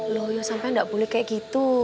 loh yuk sampai gak boleh kayak gitu